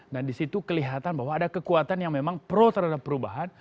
dan disitu kelihatan bahwa ada kekuatan yang memang pro terhadap perubahan